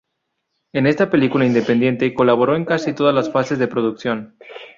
En esta película independiente colaboró en casi todas las fases de producción.